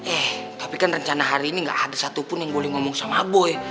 eh tapi kan rencana hari ini gak ada satupun yang boleh ngomong sama boy